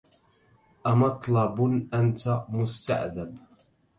أمطلب أنت مستعذب